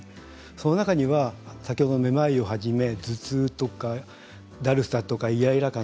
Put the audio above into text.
その中には先ほどのめまいをはじめ頭痛とかだるさとかイライラ感